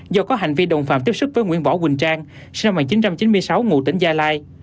do có hành vi đồng phạm tiếp xúc với nguyễn võ quỳnh trang sinh năm một nghìn chín trăm chín mươi sáu ngụ tỉnh gia lai